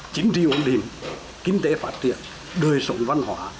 chính trị ổn định kinh tế phát triển đời sống văn hóa